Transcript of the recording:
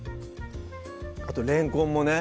あとれんこんもね